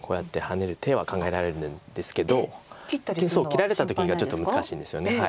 切られた時がちょっと難しいんですよね。